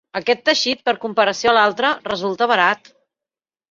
Aquest teixit, per comparació a l'altre, resulta barat.